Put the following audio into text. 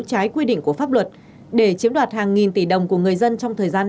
trái quy định của pháp luật để chiếm đoạt hàng nghìn tỷ đồng của người dân trong thời gian